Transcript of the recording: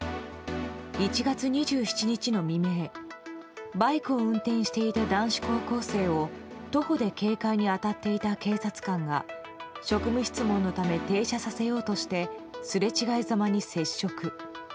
１月２７日の未明、バイクを運転していた男子高校生を徒歩で警戒に当たっていた警察官が職務質問のため停車させようとしてすれ違いざまに接触。